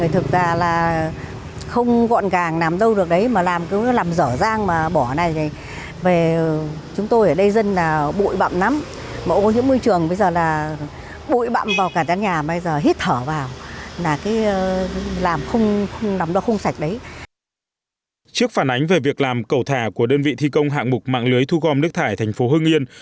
trước phản ánh về việc làm cầu thả của đơn vị thi công hạng mục mạng lưới thu gom nước thải thành phố hưng yên